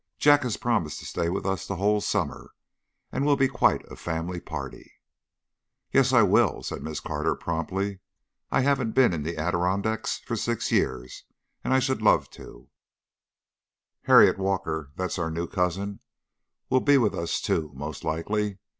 Jack has promised to stay with us the whole summer, and we'll be quite a family party." "Yes, I will," said Miss Carter, promptly. "I haven't been in the Adirondacks for six years and I should love it." "Harriet Walker that's our new cousin will be with us too, most likely.